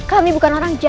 kami bukan orang jahat